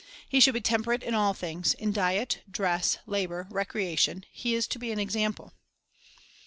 He should be temperate in all things; in diet, dress, labor, recreation, he is to be an example.